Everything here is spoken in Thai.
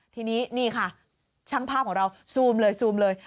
ทีนี้นี่ค่ะช่างภาพของเราซูมเลยซูมเลย